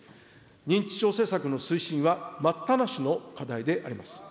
認知症施策の政策は待ったなしの課題であります。